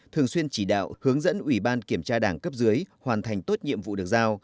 thường xuyên chỉ đạo hướng dẫn ủy ban kiểm tra đảng cấp dưới hoàn thành tốt nhiệm vụ được giao